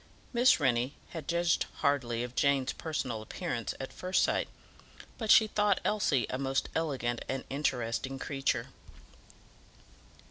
Miss Rennie had judged hardly of Jane's personal appearance at first sight, but she thought Elsie a most elegant and interesting creature.